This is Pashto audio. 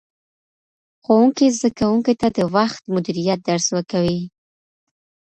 ښوونکی زدهکوونکي ته د وخت مدیریت درس ورکوي.